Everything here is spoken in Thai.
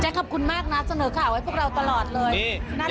แจ๊ค่อขำคุณมากน่ะเสนอข่าวไว้พวกเราตลอดเลย